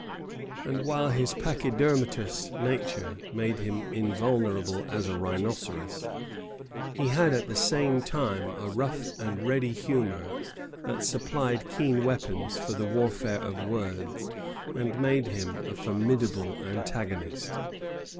And while his pachydermatous nature made him invulnerable as a rhinoceros, he had at the same time a rough and ready humor that supplied keen weapons for the warfare of words and made him a formidable antagonist.